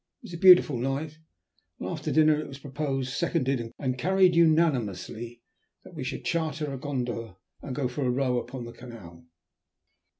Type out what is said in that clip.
It was a beautiful night, and after dinner it was proposed, seconded, and carried unanimously, that we should charter a gondola and go for a row upon the canal.